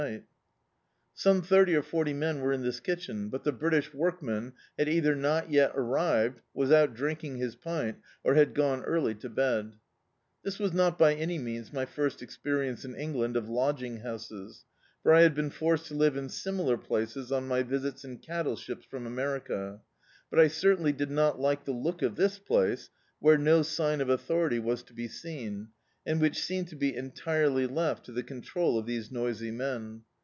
db, Google The Autobiography of a Super Tramp Some thirty or forty men were in this kitchen, but the British Workman had either not yet arrived, was out drinking his pint, or had gtHie early to bed This was not by any means my first e^Krience in England of lodging houses, for I had been forced to live in similar places on my visits in cattle ships irom America; but I certainly did not like the look of this place, where no sign of authori^ was to be seen, and which seemed to be entirely left to the control of these noisy men.